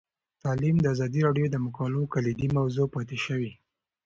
تعلیم د ازادي راډیو د مقالو کلیدي موضوع پاتې شوی.